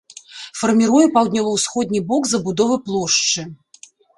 Фарміруе паўднёва-ўсходні бок забудовы плошчы.